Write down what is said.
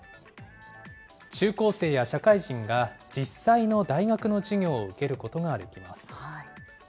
中高生や社会人が、実際の大学の授業を受けることができます。